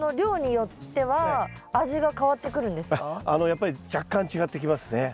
やっぱり若干違ってきますね。